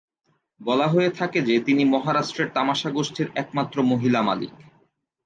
বলা হয়ে থাকে যে তিনি মহারাষ্ট্রের তামাশা গোষ্ঠীর একমাত্র মহিলা মালিক।